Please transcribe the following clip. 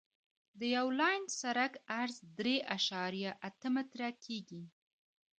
د یو لاین سرک عرض درې اعشاریه اته متره کیږي